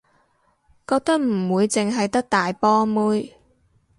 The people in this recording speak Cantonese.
覺得唔會淨係得大波妹